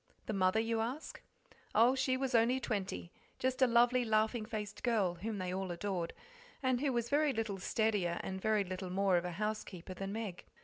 The mother? you ask. Oh, she was only twenty just a lovely, laughing faced girl, whom they all adored, and who was very little steadier and very little more of a housekeeper than Meg.